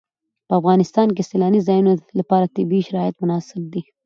په افغانستان کې د سیلانی ځایونه لپاره طبیعي شرایط مناسب دي.